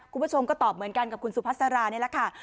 คุณผู้ชมก็ตอบเหมือนกันกับคุณสุพัสรานี่แหละค่ะ